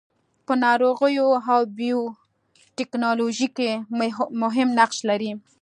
په ناروغیو او بیوټیکنالوژي کې مهم نقش لري.